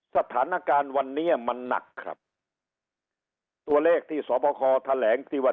สถานการณ์วันนี้มันหนักครับตัวเลขที่สอบคอแถลงที่ว่า